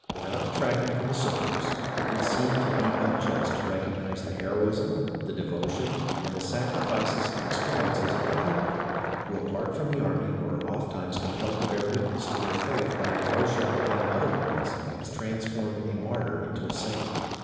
Without detracting from the soldiers it would seem to be but just to recognize the heroism, the devotion, and the sacrifices and experiences of the people, who apart from the army were ofttimes compelled to bear witness to their faith by a devotion that in other lines has transformed a martyr into a saint.